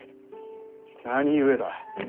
何故だ？